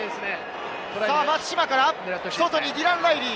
松島から外にディラン・ライリー！